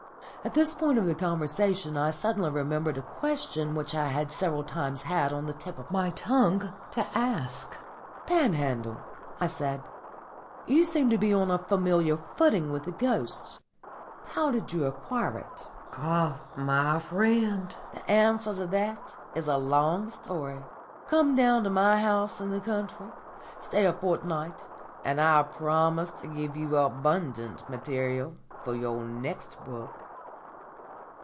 At this point of the conversation I suddenly remembered a question which I had several times had on the tip of my tongue to ask. "Panhandle," I said, "you seem to be on a familiar footing with the ghosts. How did you acquire it?" "Ah, my friend," he replied, "the answer to that is a long story. Come down to my house in the country, stay a fortnight, and I promise to give you abundant material for your next book."